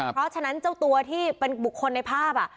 เพราะฉะนั้นเจ้าตัวที่เป็นบุคคลในภาพ